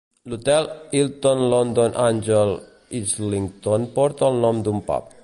L'hotel Hilton London Angel Islington porta el nom d'un pub.